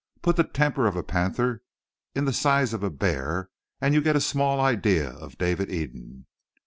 Put the temper of a panther in the size of a bear and you get a small idea of David Eden."